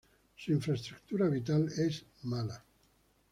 Su infraestructura vial es mala.